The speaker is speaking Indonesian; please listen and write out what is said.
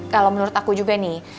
kalau menurut aku juga nih